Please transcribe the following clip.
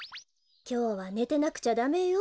きょうはねてなくちゃダメよ。